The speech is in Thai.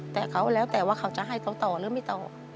แต่เขาแล้วแต่ว่าเขาจะให้เขาต่อหรือไม่ต่อ